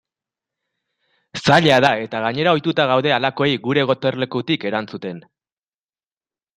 Zaila da eta gainera ohituta gaude halakoei gure gotorlekutik erantzuten.